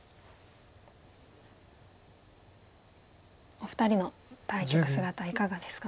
お二人の対局姿いかがですか？